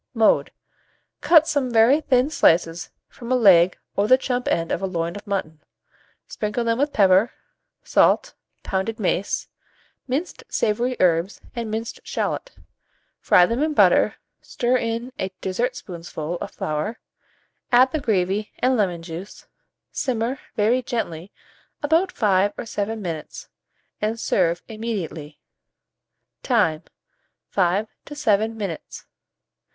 Mode. Cut some very thin slices from a leg or the chump end of a loin of mutton; sprinkle them with pepper, salt, pounded mace, minced savoury herbs, and minced shalot; fry them in butter, stir in a dessertspoonful of flour, add the gravy and lemon juice, simmer very gently about 5 or 7 minutes, and serve immediately. Time. 5 to 7 minutes.